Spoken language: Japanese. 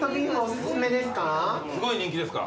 すごい人気ですか？